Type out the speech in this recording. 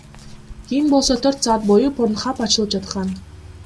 Кийин болсо төрт саат бою Порнхаб ачылып жаткан.